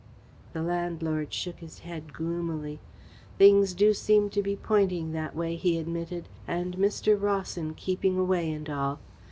The landlord shook his head gloomily. "Things do seem to be pointing that way," he admitted, "and Mr. Rawson keeping away and all.